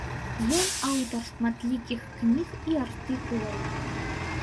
Ён аўтар шматлікіх кніг і артыкулаў.